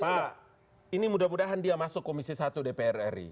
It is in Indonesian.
pak ini mudah mudahan dia masuk komisi satu dpr ri